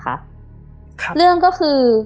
ครับเรื่องก็คือ